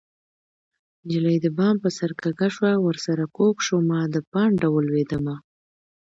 نجلۍ د بام په سر کږه شوه ورسره کوږ شومه د پانډه ولوېدمه